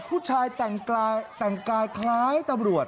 ผู้ชายแต่งกลายแต่งกลายคล้ายตำรวจ